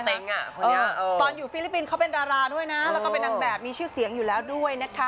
ตอนนี้ตอนอยู่ฟิลิปปินส์เขาเป็นดาราด้วยนะแล้วก็เป็นนางแบบมีชื่อเสียงอยู่แล้วด้วยนะคะ